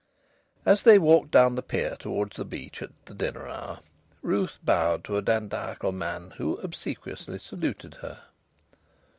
As they walked down the pier towards the beach, at the dinner hour, Ruth bowed to a dandiacal man who obsequiously saluted her.